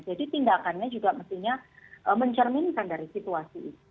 jadi tindakannya juga mestinya mencerminkan dari situasi ini